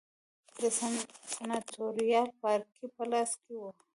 د سناتوریال پاړکي په لاس کې و